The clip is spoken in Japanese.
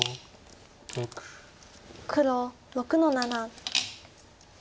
黒６の七。